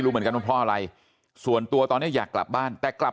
เหมือนกันว่าเพราะอะไรส่วนตัวตอนนี้อยากกลับบ้านแต่กลับ